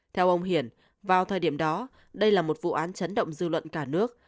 theo ông hiển vào thời điểm đó đây là một vụ án chấn động dư luận cả nước